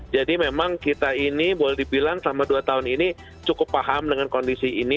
memang kita ini boleh dibilang selama dua tahun ini cukup paham dengan kondisi ini